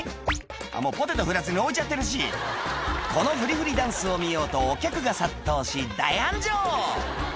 あっもうポテト振らずに置いちゃってるしこのフリフリダンスを見ようとお客が殺到し大繁盛